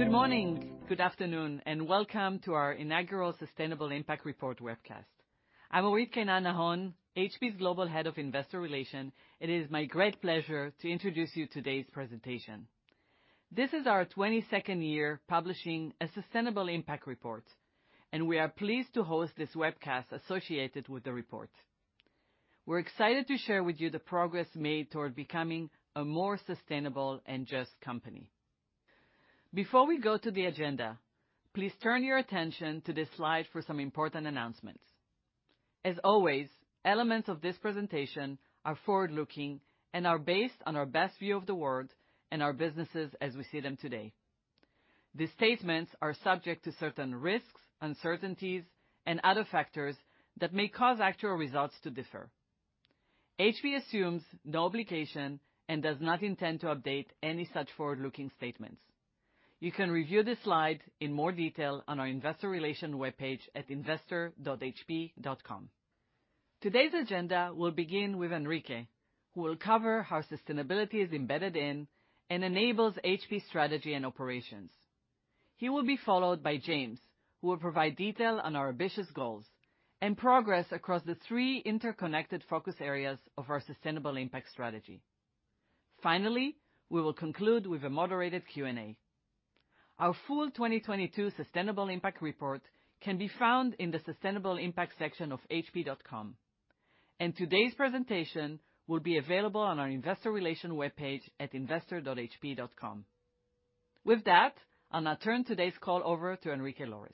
Good morning, good afternoon, and welcome to our inaugural Sustainable Impact Report webcast. I'm Orit Keinan-Nahon, HP's Global Head of Investor Relations. It is my great pleasure to introduce you today's presentation. This is our 22nd year publishing a Sustainable Impact Report, and we are pleased to host this webcast associated with the report. We're excited to share with you the progress made toward becoming a more sustainable and just company. Before we go to the agenda, please turn your attention to this slide for some important announcements. As always, elements of this presentation are forward-looking and are based on our best view of the world and our businesses as we see them today. These statements are subject to certain risks, uncertainties, and other factors that may cause actual results to differ. HP assumes no obligation and does not intend to update any such forward-looking statements. You can review this slide in more detail on our investor relation webpage at investor.hp.com. Today's agenda will begin with Enrique, who will cover how sustainability is embedded in and enables HP strategy and operations. He will be followed by James, who will provide detail on our ambitious goals and progress across the three interconnected focus areas of our Sustainable Impact strategy. Finally, we will conclude with a moderated Q&A. Our full 2022 Sustainable Impact Report can be found in the Sustainable Impact section of hp.com, and today's presentation will be available on our investor relation webpage at investor.hp.com. With that, I'll now turn today's call over to Enrique Lores.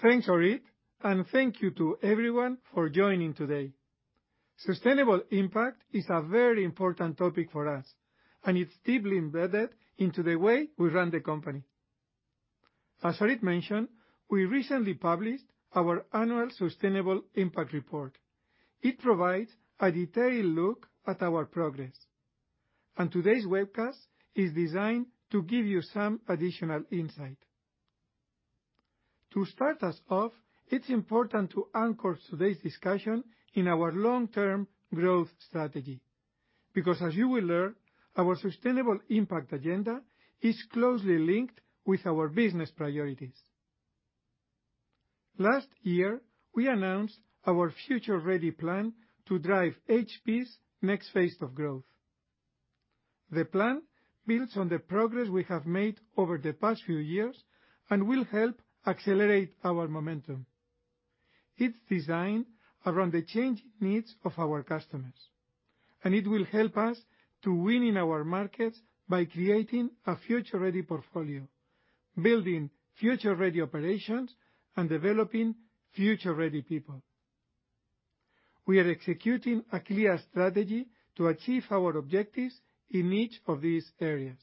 Thanks, Orit. Thank you to everyone for joining today. Sustainable Impact is a very important topic for us, and it's deeply embedded into the way we run the company. As Orit mentioned, we recently published our annual Sustainable Impact Report. It provides a detailed look at our progress. Today's webcast is designed to give you some additional insight. To start us off, it's important to anchor today's discussion in our long-term growth strategy, because, as you will learn, our Sustainable Impact agenda is closely linked with our business priorities. Last year, we announced our Future Ready plan to drive HP's next phase of growth. The plan builds on the progress we have made over the past few years and will help accelerate our momentum. It's designed around the changing needs of our customers, and it will help us to win in our markets by creating a future-ready portfolio, building future-ready operations, and developing future-ready people. We are executing a clear strategy to achieve our objectives in each of these areas.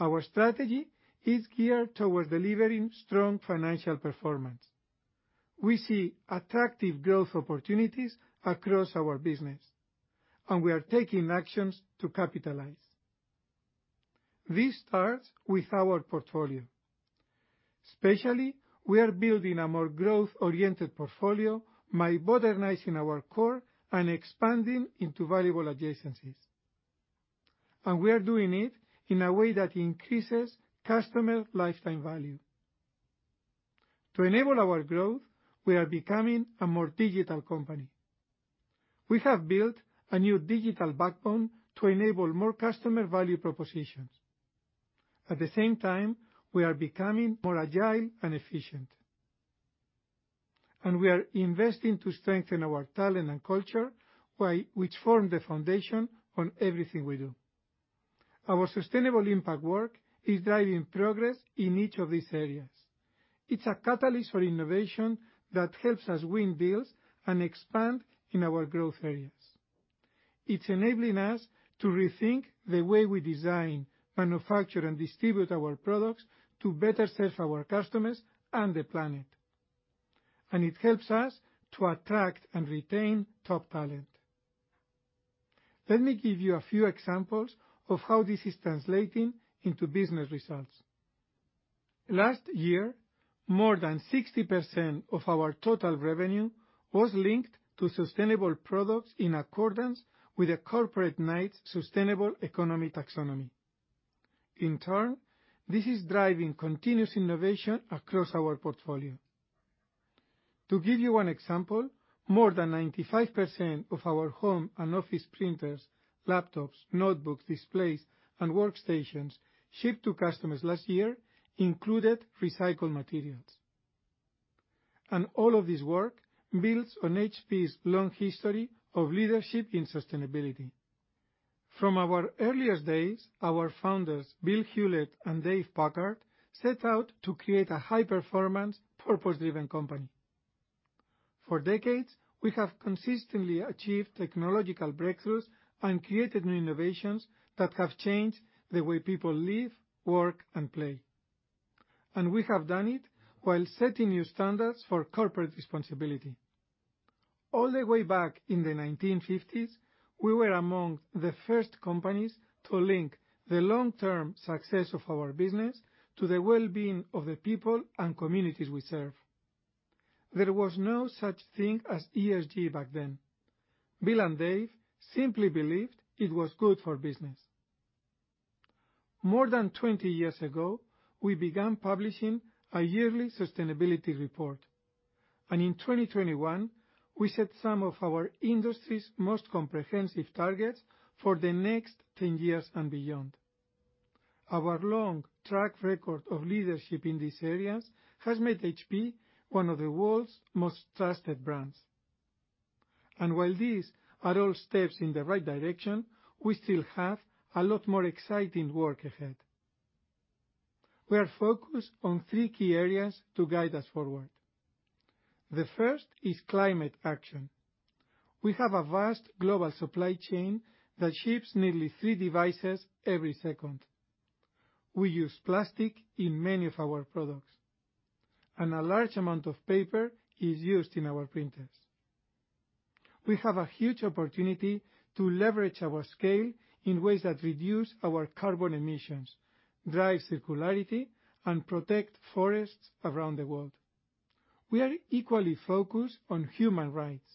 Our strategy is geared towards delivering strong financial performance. We see attractive growth opportunities across our business, and we are taking actions to capitalize. This starts with our portfolio. Especially, we are building a more growth-oriented portfolio by modernizing our core and expanding into valuable adjacencies, and we are doing it in a way that increases customer lifetime value. To enable our growth, we are becoming a more digital company. We have built a new digital backbone to enable more customer value propositions. At the same time, we are becoming more agile and efficient, and we are investing to strengthen our talent and culture, which form the foundation on everything we do. Our Sustainable Impact work is driving progress in each of these areas. It's a catalyst for innovation that helps us win deals and expand in our growth areas. It's enabling us to rethink the way we design, manufacture, and distribute our products to better serve our customers and the planet. It helps us to attract and retain top talent. Let me give you a few examples of how this is translating into business results. Last year, more than 60% of our total revenue was linked to sustainable products in accordance with the Corporate Knights Sustainable Economy Taxonomy. In turn, this is driving continuous innovation across our portfolio. To give you one example, more than 95% of our home and office printers, laptops, notebooks, displays, and workstations shipped to customers last year included recycled materials. All of this work builds on HP's long history of leadership in sustainability. From our earliest days, our founders, Bill Hewlett and Dave Packard, set out to create a high-performance, purpose-driven company. For decades, we have consistently achieved technological breakthroughs and created new innovations that have changed the way people live, work, and play. We have done it while setting new standards for corporate responsibility. All the way back in the 1950s, we were among the first companies to link the long-term success of our business to the well-being of the people and communities we serve. There was no such thing as ESG back then. Bill and Dave simply believed it was good for business. More than 20 years ago, we began publishing a Sustainable Impact report, in 2021, we set some of our industry's most comprehensive targets for the next 10 years and beyond. Our long track record of leadership in these areas has made HP one of the world's most trusted brands. While these are all steps in the right direction, we still have a lot more exciting work ahead. We are focused on three key areas to guide us forward. The first is climate action. We have a vast global supply chain that ships nearly three devices every second. We use plastic in many of our products, and a large amount of paper is used in our printers. We have a huge opportunity to leverage our scale in ways that reduce our carbon emissions, drive circularity, and protect forests around the world. We are equally focused on human rights.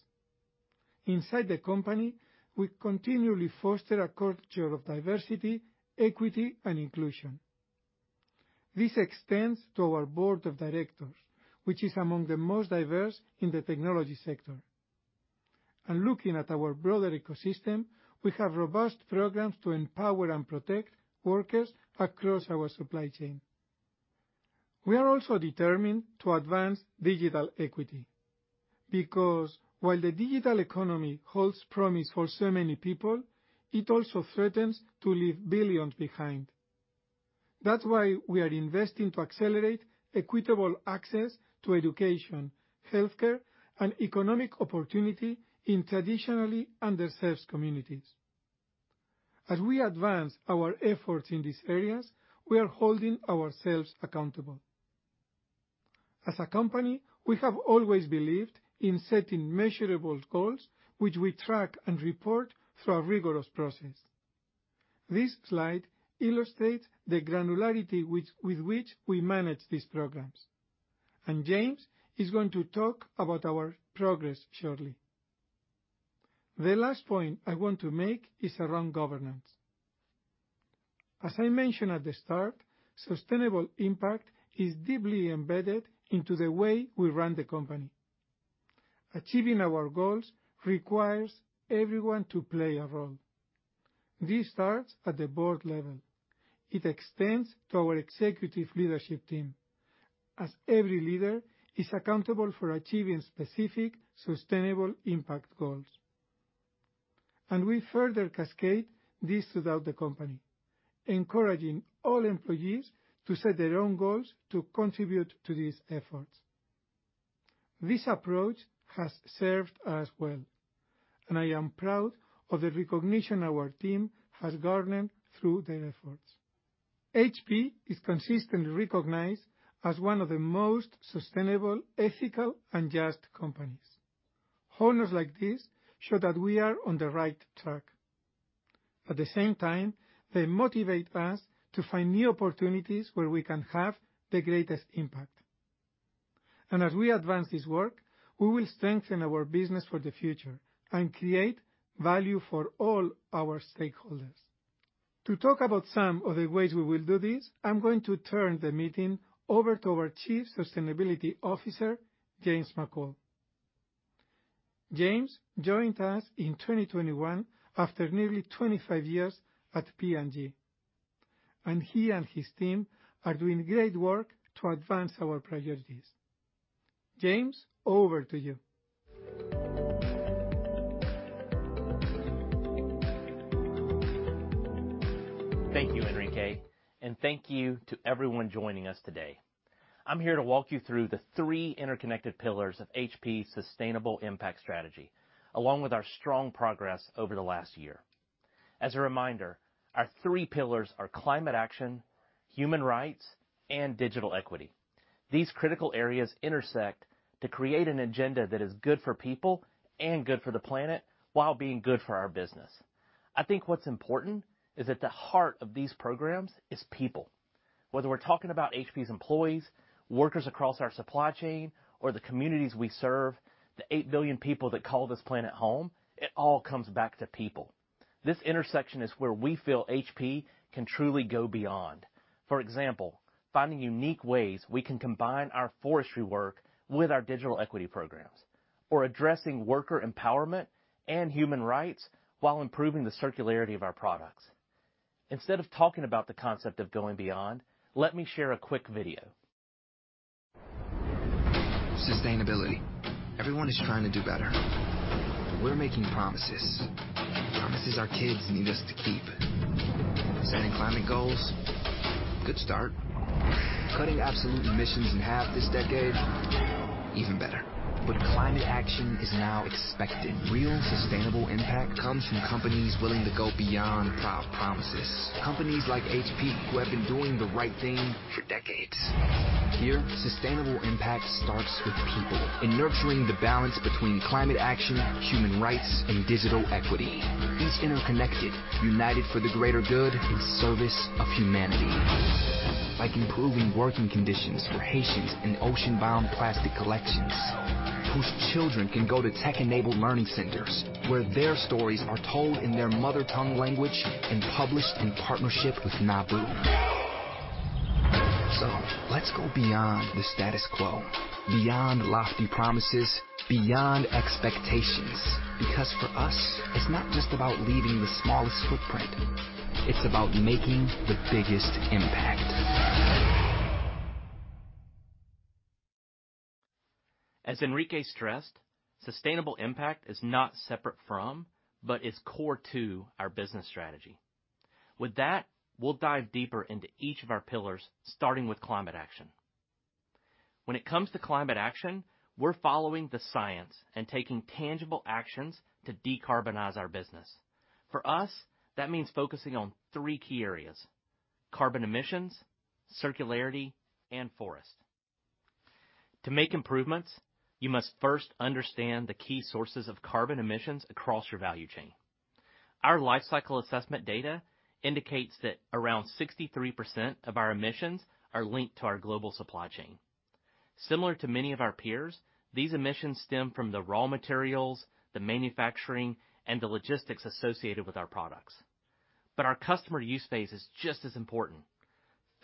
Inside the company, we continually foster a culture of diversity, equity, and inclusion. This extends to our board of directors, which is among the most diverse in the technology sector. Looking at our broader ecosystem, we have robust programs to empower and protect workers across our supply chain. We are also determined to advance digital equity, because while the digital economy holds promise for so many people, it also threatens to leave billions behind. That's why we are investing to accelerate equitable access to education, healthcare, and economic opportunity in traditionally underserved communities. As we advance our efforts in these areas, we are holding ourselves accountable. As a company, we have always believed in setting measurable goals, which we track and report through a rigorous process. This slide illustrates the granularity with which we manage these programs, and James is going to talk about our progress shortly. The last point I want to make is around governance. As I mentioned at the start, Sustainable Impact is deeply embedded into the way we run the company. Achieving our goals requires everyone to play a role. This starts at the board level. It extends to our executive leadership team, as every leader is accountable for achieving specific, Sustainable Impact goals. We further cascade this throughout the company, encouraging all employees to set their own goals to contribute to these efforts. This approach has served us well, and I am proud of the recognition our team has garnered through their efforts. HP is consistently recognized as one of the most sustainable, ethical, and just companies. Honors like this show that we are on the right track. At the same time, they motivate us to find new opportunities where we can have the greatest impact. As we advance this work, we will strengthen our business for the future and create value for all our stakeholders. To talk about some of the ways we will do this, I'm going to turn the meeting over to our Chief Sustainability Officer, James McCall. James joined us in 2021 after nearly 25 years at P&G, and he and his team are doing great work to advance our priorities. James, over to you. Thank you, Enrique, and thank you to everyone joining us today. I'm here to walk you through the three interconnected pillars of HP's Sustainable Impact strategy, along with our strong progress over the last year. As a reminder, our three pillars are climate action, human rights, and digital equity. These critical areas intersect to create an agenda that is good for people and good for the planet while being good for our business. I think what's important is at the heart of these programs is people. Whether we're talking about HP's employees, workers across our supply chain, or the communities we serve, the eight billion people that call this planet home, it all comes back to people. This intersection is where we feel HP can truly go beyond. For example, finding unique ways we can combine our forestry work with our digital equity programs, or addressing worker empowerment and human rights while improving the circularity of our products. Instead of talking about the concept of going beyond, let me share a quick video. Sustainability. Everyone is trying to do better. We're making promises, promises our kids need us to keep. Setting climate goals? Good start. Cutting absolute emissions in half this decade, even better. Climate action is now expected. Real, Sustainable Impact comes from companies willing to go beyond proud promises. Companies like HP, who have been doing the right thing for decades. Here, Sustainable Impact starts with people, and nurturing the balance between climate action, human rights, and digital equity. It's interconnected, united for the greater good in service of humanity. Like improving working conditions for Haitians in ocean-bound plastic collections, whose children can go to tech-enabled learning centers, where their stories are told in their mother tongue language and published in partnership with NABU. Let's go beyond the status quo, beyond lofty promises, beyond expectations, because for us, it's not just about leaving the smallest footprint, it's about making the biggest impact. As Enrique stressed, Sustainable Impact is not separate from, but is core to our business strategy. With that, we'll dive deeper into each of our pillars, starting with climate action. When it comes to climate action, we're following the science and taking tangible actions to decarbonize our business. For us, that means focusing on three key areas: carbon emissions, circularity, and forest. To make improvements, you must first understand the key sources of carbon emissions across your value chain. Our life cycle assessment data indicates that around 63% of our emissions are linked to our global supply chain. Similar to many of our peers, these emissions stem from the raw materials, the manufacturing, and the logistics associated with our products. Our customer use phase is just as important.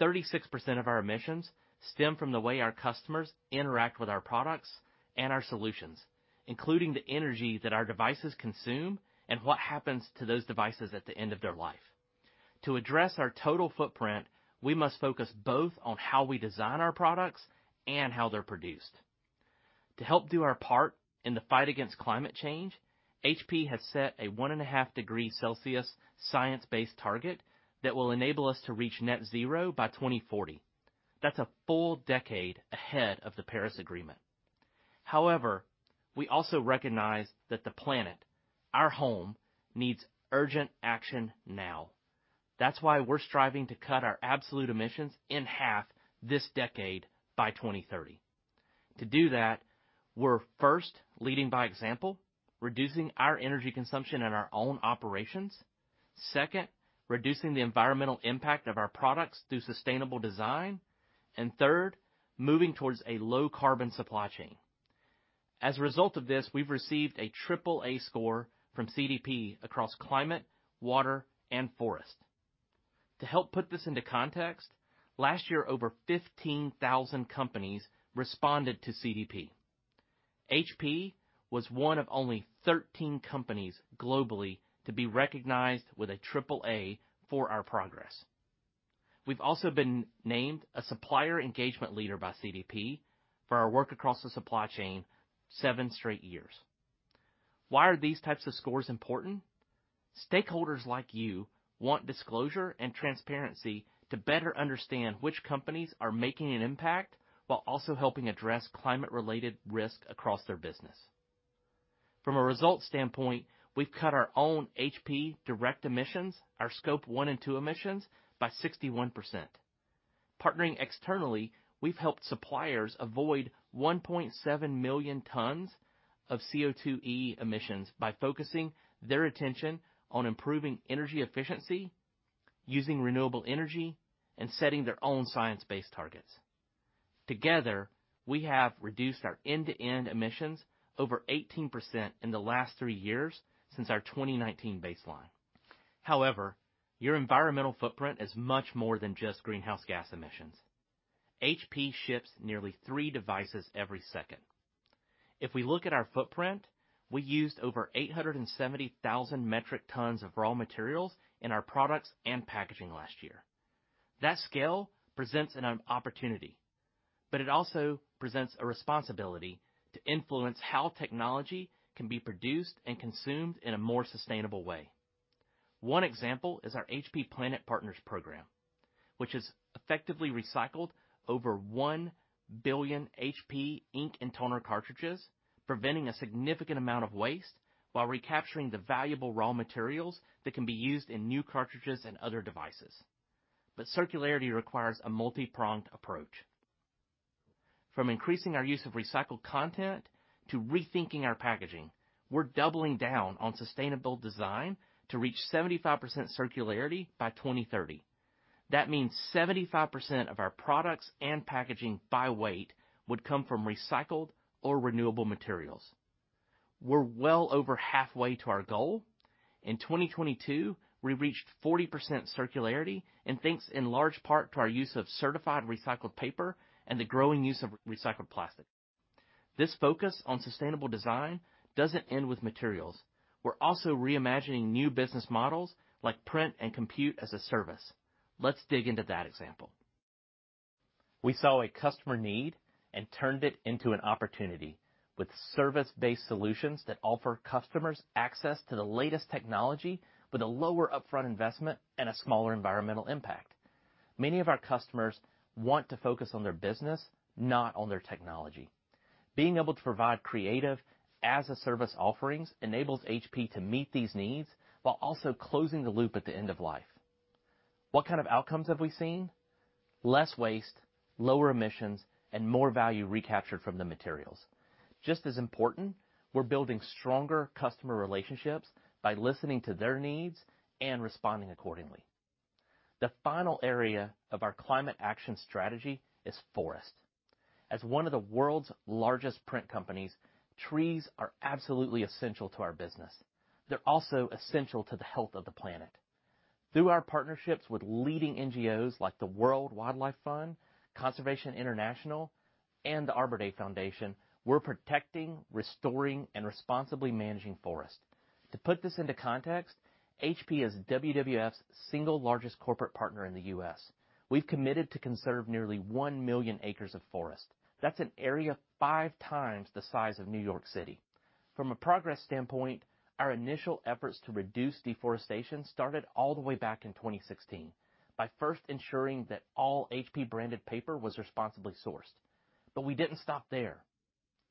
36% of our emissions stem from the way our customers interact with our products and our solutions, including the energy that our devices consume and what happens to those devices at the end of their life. To address our total footprint, we must focus both on how we design our products and how they're produced. To help do our part in the fight against climate change, HP has set a 1.5 degrees Celsius science-based target that will enable us to reach net zero by 2040. That's a full decade ahead of the Paris Agreement. However, we also recognize that the planet, our home, needs urgent action now. That's why we're striving to cut our absolute emissions in half this decade by 2030. To do that, we're first leading by example, reducing our energy consumption in our own operations. Second, reducing the environmental impact of our products through sustainable design. Third, moving towards a low carbon supply chain. As a result of this, we've received a triple A score from CDP across climate, water, and forest. To help put this into context, last year, over 15,000 companies responded to CDP. HP was one of only 13 companies globally to be recognized with a triple A for our progress. We've also been named a Supplier Engagement Leader by CDP for our work across the supply chain seven straight years. Why are these types of scores important? Stakeholders like you want disclosure and transparency to better understand which companies are making an impact, while also helping address climate-related risk across their business. From a result standpoint, we've cut our own HP direct emissions, our Scope 1 and 2 emissions, by 61%. Partnering externally, we've helped suppliers avoid 1.7 million tons of CO2e emissions by focusing their attention on improving energy efficiency, using renewable energy, and setting their own science-based targets. Together, we have reduced our end-to-end emissions over 18% in the last three years since our 2019 baseline. However, your environmental footprint is much more than just greenhouse gas emissions. HP ships nearly three devices every second. If we look at our footprint, we used over 870,000 metric tons of raw materials in our products and packaging last year. That scale presents an opportunity, but it also presents a responsibility to influence how technology can be produced and consumed in a more sustainable way. One example is our HP Planet Partners program, which has effectively recycled over one billion HP ink and toner cartridges, preventing a significant amount of waste while recapturing the valuable raw materials that can be used in new cartridges and other devices. Circularity requires a multi-pronged approach. From increasing our use of recycled content to rethinking our packaging, we're doubling down on sustainable design to reach 75% circularity by 2030. That means 75% of our products and packaging by weight would come from recycled or renewable materials. We're well over halfway to our goal. In 2022, we reached 40% circularity, and thanks in large part to our use of certified recycled paper and the growing use of recycled plastic. This focus on sustainable design doesn't end with materials. We're also reimagining new business models like print and compute as a service. Let's dig into that example. We saw a customer need and turned it into an opportunity, with service-based solutions that offer customers access to the latest technology with a lower upfront investment and a smaller environmental impact. Many of our customers want to focus on their business, not on their technology. Being able to provide creative, as-a-service offerings enables HP to meet these needs while also closing the loop at the end of life. What kind of outcomes have we seen? Less waste, lower emissions, and more value recaptured from the materials. Just as important, we're building stronger customer relationships by listening to their needs and responding accordingly. The final area of our climate action strategy is forest. As one of the world's largest print companies, trees are absolutely essential to our business. They're also essential to the health of the planet. Through our partnerships with leading NGOs like the World Wildlife Fund, Conservation International, and the Arbor Day Foundation, we're protecting, restoring, and responsibly managing forest. To put this into context, HP is WWF's single largest corporate partner in the US. We've committed to conserve nearly 1 million acres of forest. That's an area five times the size of New York City. From a progress standpoint, our initial efforts to reduce deforestation started all the way back in 2016, by first ensuring that all HP-branded paper was responsibly sourced. We didn't stop there.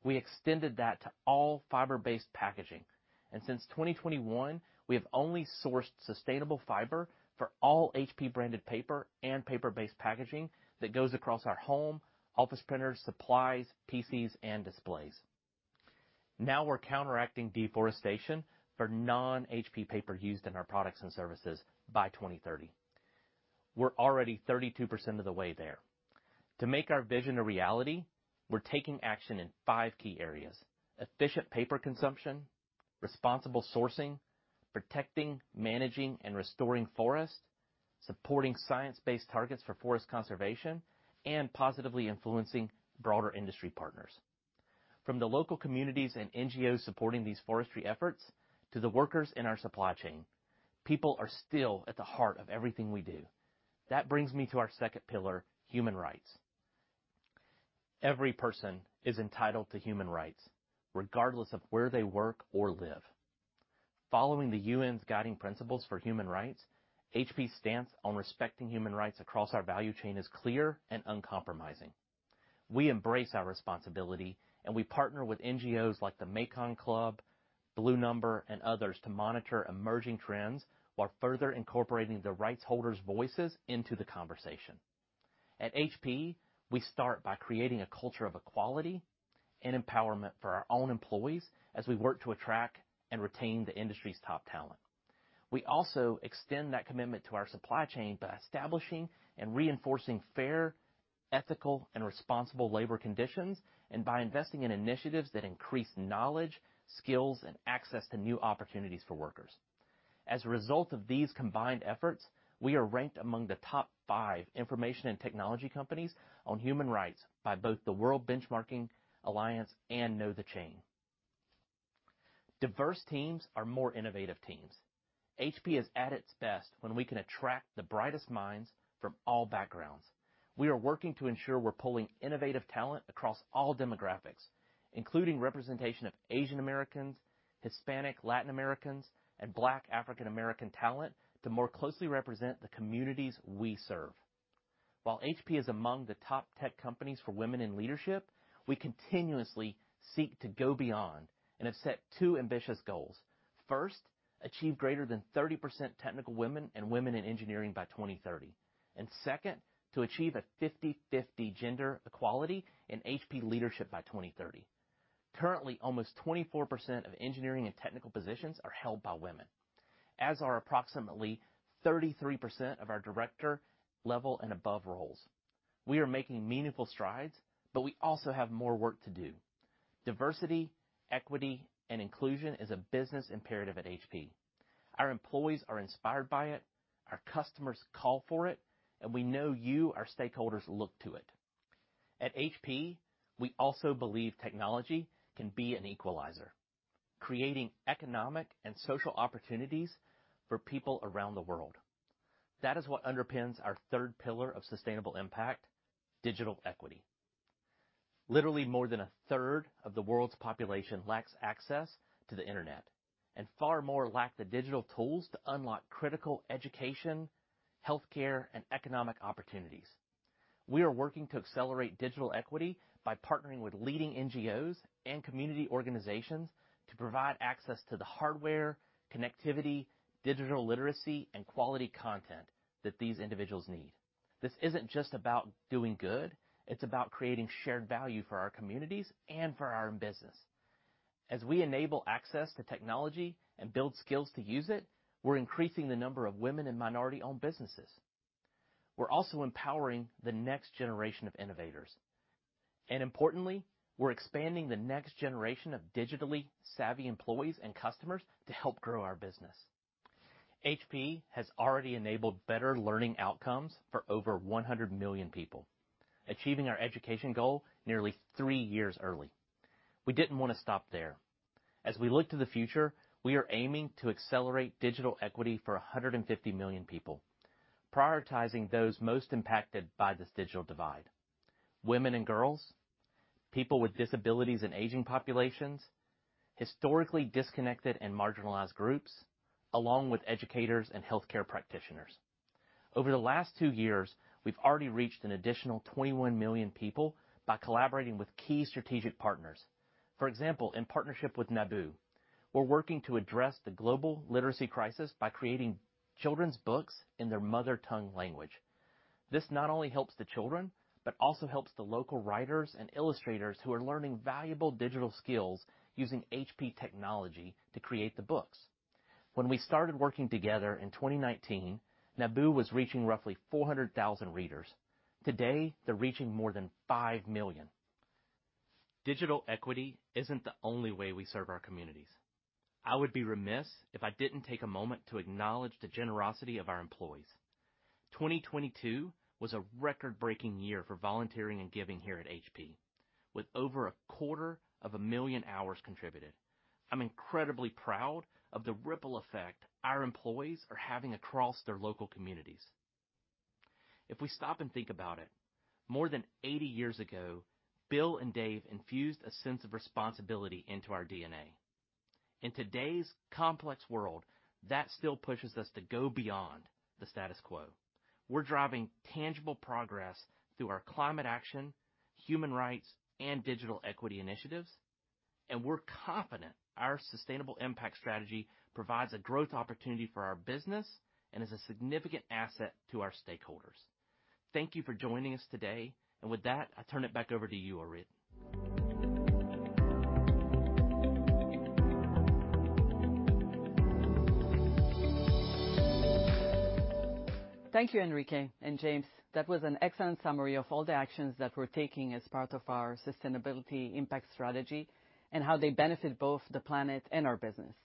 We extended that to all fiber-based packaging, and since 2021, we have only sourced sustainable fiber for all HP-branded paper and paper-based packaging that goes across our home, office printers, supplies, PCs, and displays. Now we're counteracting deforestation for non-HP paper used in our products and services by 2030. We're already 32% of the way there. To make our vision a reality, we're taking action in 5 key areas: efficient paper consumption, responsible sourcing, protecting, managing, and restoring forests, supporting science-based targets for forest conservation, and positively influencing broader industry partners. From the local communities and NGOs supporting these forestry efforts, to the workers in our supply chain, people are still at the heart of everything we do. That brings me to our second pillar, human rights. Every person is entitled to human rights, regardless of where they work or live. Following the UN's guiding principles for human rights, HP's stance on respecting human rights across our value chain is clear and uncompromising. We embrace our responsibility, and we partner with NGOs like the Mekong Club, Bluenumber, and others to monitor emerging trends while further incorporating the rights holders' voices into the conversation. At HP, we start by creating a culture of equality and empowerment for our own employees as we work to attract and retain the industry's top talent. We also extend that commitment to our supply chain by establishing and reinforcing fair, ethical, and responsible labor conditions, and by investing in initiatives that increase knowledge, skills, and access to new opportunities for workers. As a result of these combined efforts, we are ranked among the top five information and technology companies on human rights by both the World Benchmarking Alliance and KnowTheChain. Diverse teams are more innovative teams. HP is at its best when we can attract the brightest minds from all backgrounds. We are working to ensure we're pulling innovative talent across all demographics, including representation of Asian Americans, Hispanic, Latin Americans, and Black African American talent, to more closely represent the communities we serve. While HP is among the top tech companies for women in leadership, we continuously seek to go beyond and have set two ambitious goals. First, achieve greater than 30% technical women and women in engineering by 2030, and second, to achieve a 50/50 gender equality in HP leadership by 2030. Currently, almost 24% of engineering and technical positions are held by women, as are approximately 33% of our director-level and above roles. We are making meaningful strides, but we also have more work to do. Diversity, equity, and inclusion is a business imperative at HP. Our employees are inspired by it, our customers call for it, and we know you, our stakeholders, look to it. At HP, we also believe technology can be an equalizer, creating economic and social opportunities for people around the world. That is what underpins our third pillar of Sustainable Impact: digital equity. Literally more than a third of the world's population lacks access to the internet, and far more lack the digital tools to unlock critical education, healthcare, and economic opportunities. We are working to accelerate digital equity by partnering with leading NGOs and community organizations to provide access to the hardware, connectivity, digital literacy, and quality content that these individuals need. This isn't just about doing good, it's about creating shared value for our communities and for our own business. As we enable access to technology and build skills to use it, we're increasing the number of women and minority-owned businesses. We're also empowering the next generation of innovators, and importantly, we're expanding the next generation of digitally savvy employees and customers to help grow our business. HP has already enabled better learning outcomes for over 100 million people, achieving our education goal nearly three years early. We didn't want to stop there. As we look to the future, we are aiming to accelerate digital equity for 150 million people, prioritizing those most impacted by this digital divide: women and girls, people with disabilities and aging populations, historically disconnected and marginalized groups, along with educators and healthcare practitioners. Over the last two years, we've already reached an additional 21 million people by collaborating with key strategic partners. For example, in partnership with NABU, we're working to address the global literacy crisis by creating children's books in their mother tongue language. This not only helps the children, but also helps the local writers and illustrators who are learning valuable digital skills using HP technology to create the books. When we started working together in 2019, NABU was reaching roughly 400,000 readers. Today, they're reaching more than 5 million. Digital equity isn't the only way we serve our communities. I would be remiss if I didn't take a moment to acknowledge the generosity of our employees. 2022 was a record-breaking year for volunteering and giving here at HP, with over 250,000 hours contributed. I'm incredibly proud of the ripple effect our employees are having across their local communities. If we stop and think about it, more than 80 years ago, Bill and Dave infused a sense of responsibility into our DNA. In today's complex world, that still pushes us to go beyond the status quo. We're driving tangible progress through our climate action, human rights, and digital equity initiatives, and we're confident our Sustainable Impact strategy provides a growth opportunity for our business and is a significant asset to our stakeholders. Thank you for joining us today, and with that, I turn it back over to you, Orit. Thank you, Enrique and James. That was an excellent summary of all the actions that we're taking as part of our Sustainability Impact Strategy and how they benefit both the planet and our business.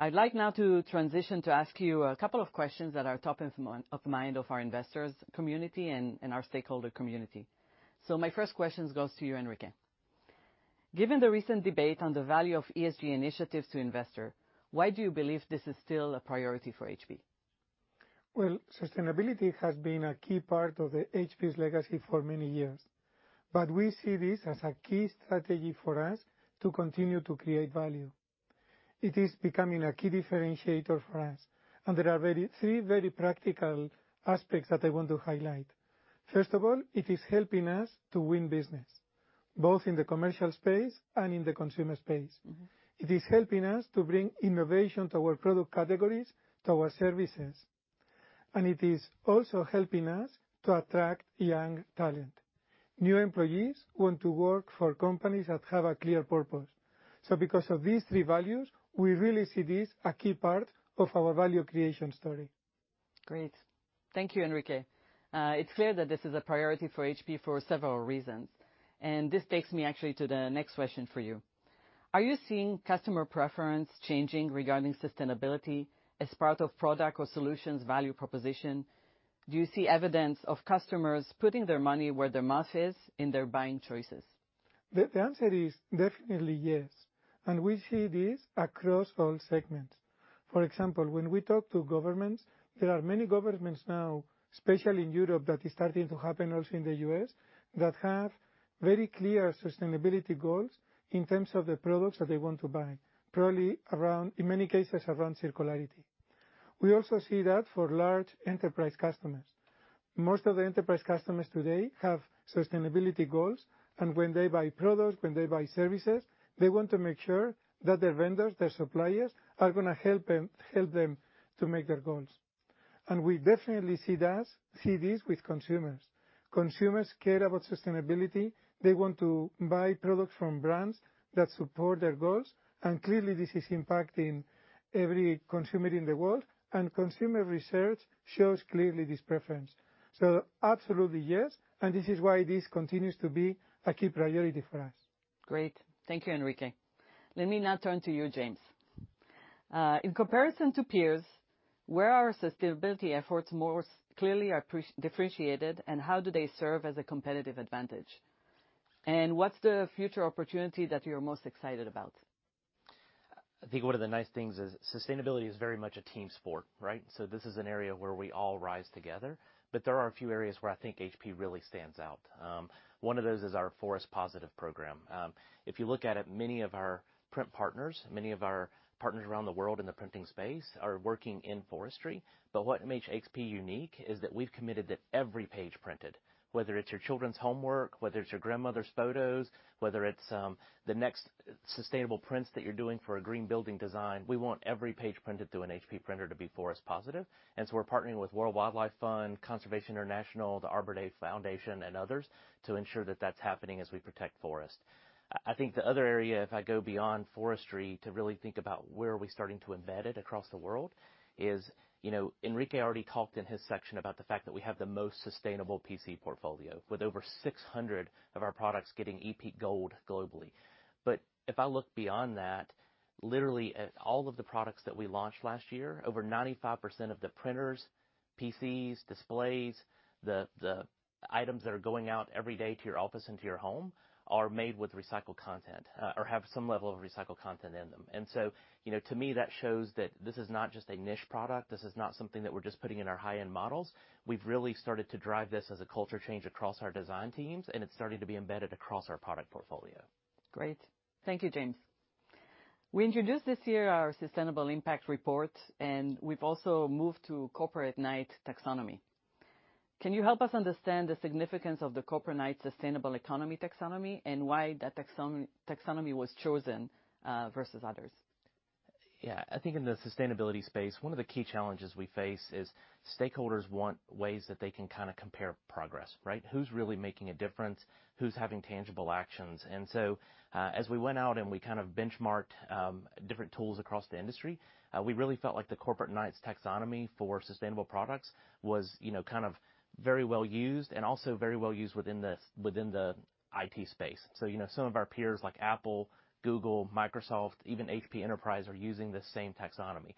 I'd like now to transition to ask you a couple of questions that are top of mind of our investors, community, and our stakeholder community. My first question goes to you, Enrique. Given the recent debate on the value of ESG initiatives to investor, why do you believe this is still a priority for HP? Well, sustainability has been a key part of the HP's legacy for many years. We see this as a key strategy for us to continue to create value. It is becoming a key differentiator for us, and there are three very practical aspects that I want to highlight. First of all, it is helping us to win business, both in the commercial space and in the consumer space. It is helping us to bring innovation to our product categories, to our services, and it is also helping us to attract young talent. New employees want to work for companies that have a clear purpose. Because of these three values, we really see this a key part of our value creation story. Great. Thank you, Enrique. It's clear that this is a priority for HP for several reasons. This takes me actually to the next question for you. Are you seeing customer preference changing regarding sustainability as part of product or solutions value proposition? Do you see evidence of customers putting their money where their mouth is in their buying choices? The, the answer is definitely yes, and we see this across all segments. For example, when we talk to governments, there are many governments now, especially in Europe, that is starting to happen also in the U.S., that have very clear sustainability goals in terms of the products that they want to buy, probably around, in many cases, around circularity. We also see that for large enterprise customers. Most of the enterprise customers today have sustainability goals, and when they buy products, when they buy services, they want to make sure that their vendors, their suppliers, are gonna help them, help them to make their goals. We definitely see that, see this with consumers. Consumers care about sustainability. They want to buy products from brands that support their goals, and clearly, this is impacting every consumer in the world, and consumer research shows clearly this preference. Absolutely, yes, and this is why this continues to be a key priority for us. Great. Thank you, Enrique. Let me now turn to you, James. In comparison to peers, where are sustainability efforts more clearly differentiated, and how do they serve as a competitive advantage? What's the future opportunity that you're most excited about? I think one of the nice things is, sustainability is very much a team sport, right? This is an area where we all rise together, but there are a few areas where I think HP really stands out. One of those is our Forest Positive program. If you look at it, many of our print partners, many of our partners around the world in the printing space, are working in forestry. What makes HP unique is that we've committed that every page printed, whether it's your children's homework, whether it's your grandmother's photos, whether it's the next sustainable prints that you're doing for a green building design, we want every page printed through an HP printer to be Forest Positive. We're partnering with World Wildlife Fund, Conservation International, the Arbor Day Foundation, and others to ensure that that's happening as we protect forests. I think the other area, if I go beyond forestry, to really think about where are we starting to embed it across the world is, you know, Enrique already talked in his section about the fact that we have the most sustainable PC portfolio, with over 600 of our products getting EPEAT Gold globally. If I look beyond that, literally, all of the products that we launched last year, over 95% of the printers, PCs, displays, the, the items that are going out every day to your office and to your home, are made with recycled content, or have some level of recycled content in them. So, you know, to me, that shows that this is not just a niche product, this is not something that we're just putting in our high-end models. We've really started to drive this as a culture change across our design teams, and it's starting to be embedded across our product portfolio. Great. Thank you, James. We introduced this year our Sustainable Impact Report, and we've also moved to Corporate Knights Taxonomy. Can you help us understand the significance of the Corporate Knights Sustainable Economy Taxonomy, and why that taxonomy was chosen versus others? Yeah. I think in the sustainability space, one of the key challenges we face is stakeholders want ways that they can kind of compare progress, right? Who's really making a difference? Who's having tangible actions? So, as we went out and we kind of benchmarked different tools across the industry, we really felt like the Corporate Knights Taxonomy for sustainable products was, you know, kind of very well used and also very well used within the IT space. You know, some of our peers, like Apple, Google, Microsoft, even HP Enterprise, are using this same taxonomy.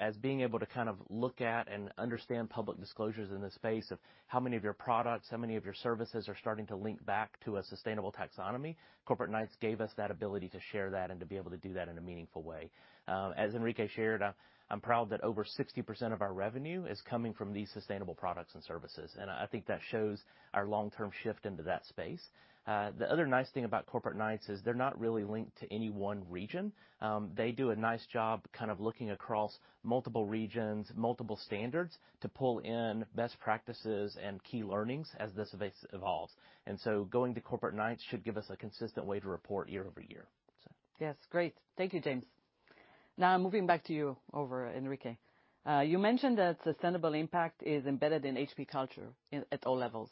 As being able to kind of look at and understand public disclosures in the space of how many of your products, how many of your services are starting to link back to a sustainable taxonomy, Corporate Knights gave us that ability to share that and to be able to do that in a meaningful way. As Enrique shared, I'm proud that over 60% of our revenue is coming from these sustainable products and services, and I think that shows our long-term shift into that space. The other nice thing about Corporate Knights is they're not really linked to any one region. They do a nice job kind of looking across multiple regions, multiple standards, to pull in best practices and key learnings as this space evolves. Going to Corporate Knights should give us a consistent way to report year-over-year. Yes, great. Thank you, James. Now, moving back to you, over, Enrique. You mentioned that Sustainable Impact is embedded in HP culture in, at all levels.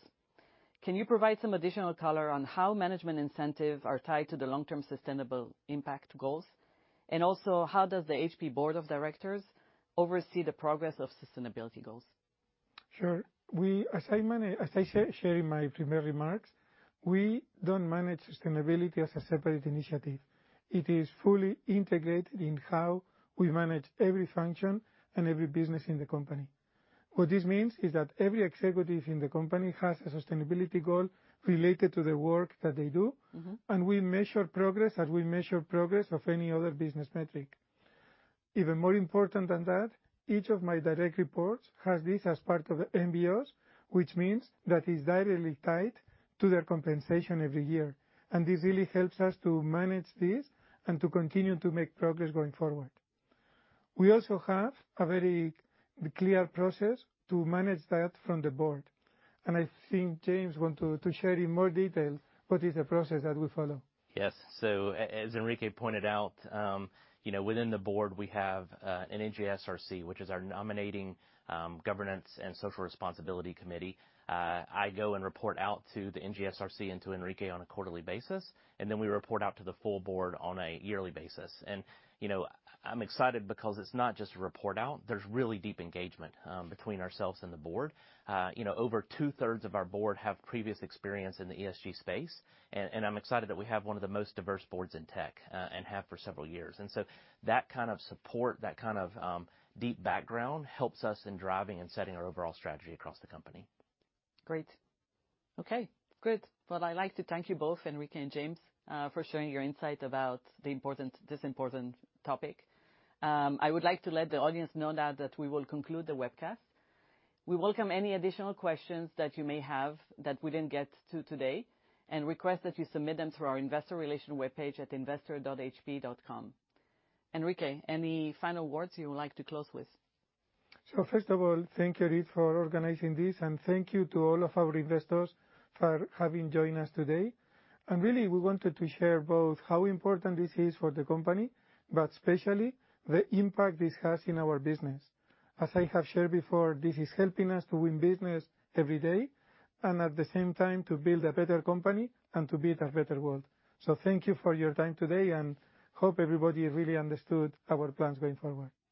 Can you provide some additional color on how management incentive are tied to the long-term Sustainable Impact goals? Also, how does the HP Board of Directors oversee the progress of sustainability goals? Sure. As I said, shared in my primary remarks, we don't manage sustainability as a separate initiative. It is fully integrated in how we manage every function and every business in the company. What this means is that every executive in the company has a sustainability goal related to the work that they do. We measure progress, as we measure progress of any other business metric. Even more important than that, each of my direct reports has this as part of the MBOs, which means that is directly tied to their compensation every year, and this really helps us to manage this and to continue to make progress going forward. We also have a very clear process to manage that from the board, and I think James want to share in more detail what is the process that we follow. Yes. As Enrique pointed out, you know, within the board, we have an NGSRC, which is our Nominating, Governance, and Social Responsibility Committee. I go and report out to the NGSRC and to Enrique on a quarterly basis, and then we report out to the full board on a yearly basis. You know, I'm excited because it's not just a report out, there's really deep engagement between ourselves and the board. You know, over two-thirds of our board have previous experience in the ESG space, and I'm excited that we have one of the most diverse boards in tech, and have for several years. That kind of support, that kind of deep background helps us in driving and setting our overall strategy across the company. Great. Okay, good. Well, I'd like to thank you both, Enrique and James, for sharing your insight about this important topic. I would like to let the audience know now that we will conclude the webcast. We welcome any additional questions that you may have that we didn't get to today, and request that you submit them through our investor relation webpage at investor.hp.com. Enrique, any final words you would like to close with? First of all, thank you, Orit, for organizing this, and thank you to all of our investors for having joined us today. Really, we wanted to share both how important this is for the company, but especially the impact this has in our business. As I have shared before, this is helping us to win business every day, and at the same time, to build a better company and to build a better world. Thank you for your time today, and hope everybody really understood our plans going forward. Great. Thank you.